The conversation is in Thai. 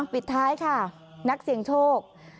ปิดท้ายค่ะนักเสี่ยงโชค